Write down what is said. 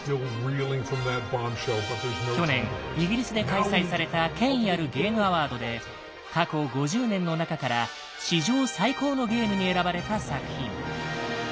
去年イギリスで開催された権威あるゲームアワードで過去５０年の中から史上最高のゲームに選ばれた作品。